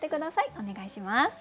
お願いします。